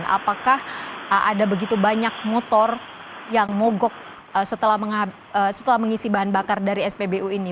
apakah ada begitu banyak motor yang mogok setelah mengisi bahan bakar dari spbu ini